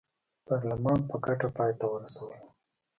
پارلمان په ګټه پای ته ورسوله.